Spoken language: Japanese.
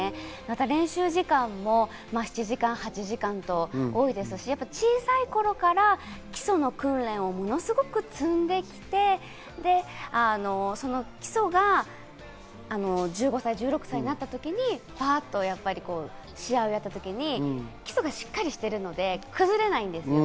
練習時間も７時間、８時間と多いですし、小さい頃から基礎の訓練をものすごく積んできて、その基礎が１５歳、１６歳になった時にパっと試合をやったときに基礎がしっかりしているので崩れないんです。